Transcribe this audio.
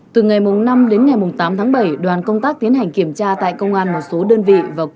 từ ngày năm đến ngày tám tháng bảy đoàn công tác tiến hành kiểm tra tại công an một số đơn vị